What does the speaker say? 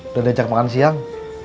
udah dianjak makan siang